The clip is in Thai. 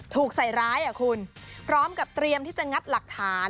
ถูกใส่ร้ายอ่ะคุณพร้อมกับเตรียมที่จะงัดหลักฐาน